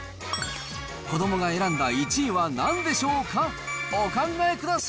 子どもが選んだ１位はなんでしょうか？